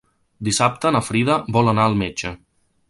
Dissabte na Frida vol anar al metge.